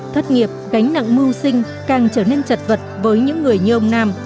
thất nghiệp gánh nặng mưu sinh càng trở nên chật vật với những người như ông nam